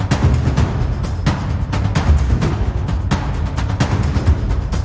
ติดตามต่อไป